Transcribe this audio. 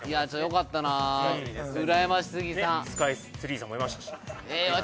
スカイツリーさんもいましたしええわ